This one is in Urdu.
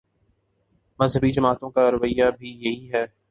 مذہبی جماعتوں کا رویہ بھی یہی ہے۔